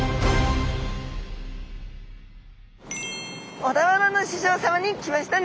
小田原の市場さまに来ましたね！